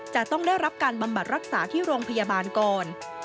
จะต้องได้รับการบำบัดรักษาที่โรงพยาบาลก่อน